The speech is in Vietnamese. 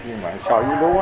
nhưng mà so với lúa